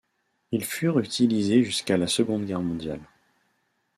Ils furent utilisés jusqu'à la Seconde Guerre mondiale.